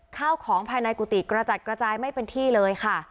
ข้าวของภายในกุฏิกระจัดกระจายไม่เป็นที่เลยค่ะ